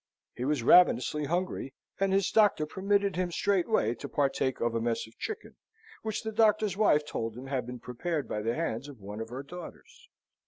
He was ravenously hungry, and his doctor permitted him straightway to partake of a mess of chicken, which the doctor's wife told him had been prepared by the hands of one of her daughters.